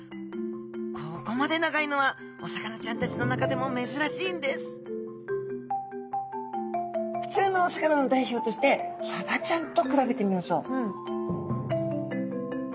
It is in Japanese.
ここまで長いのはお魚ちゃんたちの中でもめずらしいんですふつうのお魚の代表としてサバちゃんと比べてみましょう。